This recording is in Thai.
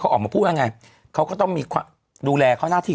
ออกมาพูดว่าไงเขาก็ต้องมีดูแลเขาหน้าที่